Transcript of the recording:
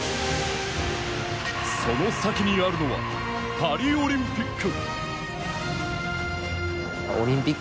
その先にあるのはパリオリンピック。